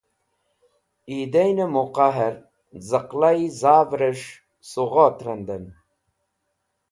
Eidaine Muqaher Z̃aqlai Zaver es̃h Sughot Randen